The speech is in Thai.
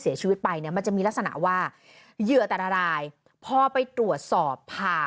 เสียชีวิตไปมันจะมีลักษณะว่าเหือตรรายพอไปตรวจสอบผ่า